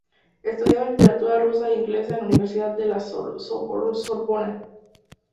Estudiaba literatura rusa e inglesa en la Universidad de la Sorbona.